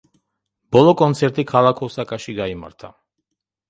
ბოლო კონცერტი ქალაქ ოსაკაში გაიმართა.